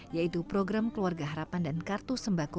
yaitu program keluarga harapan dan kartu sembako